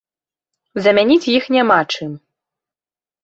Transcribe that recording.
Замяніць іх няма чым.